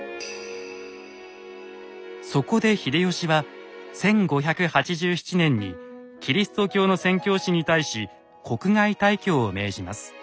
そこで秀吉は１５８７年にキリスト教の宣教師に対し国外退去を命じます。